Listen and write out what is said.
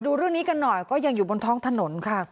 ดูเรื่องนี้กันหน่อยก็ยังอยู่บนท้องถนนค่ะ